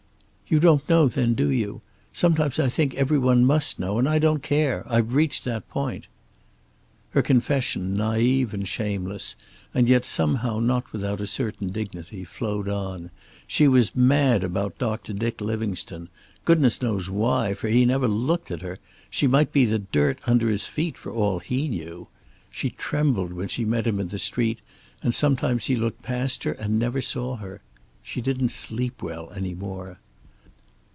"You don't know, then, do you? Sometimes I think every one must know. And I don't care. I've reached that point." Her confession, naive and shameless, and yet somehow not without a certain dignity, flowed on. She was mad about Doctor Dick Livingstone. Goodness knew why, for he never looked at her. She might be the dirt under his feet for all he knew. She trembled when she met him in the street, and sometimes he looked past her and never saw her. She didn't sleep well any more.